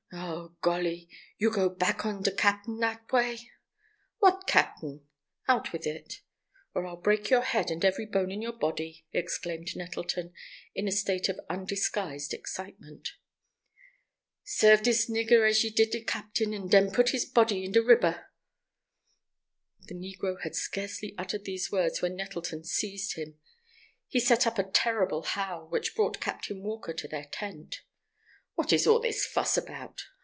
"Oh, golly! You go back on de cap'n dat way!" "What cap'n? Out with it, or I'll break your head and every bone in your body," exclaimed Nettleton, in a state of undisguised excitement. "Serve dis nigger as ye did de cap'n, and den put his body in de riber!" The negro had scarcely uttered these words when Nettleton seized him. He set up a terrible howl, which brought Captain Walker to their tent. "What is all this fuss about?"